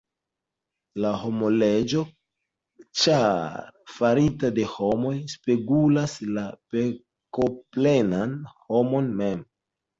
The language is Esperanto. La homleĝo, ĉar farita de homoj, spegulas la pekoplenan homon mem.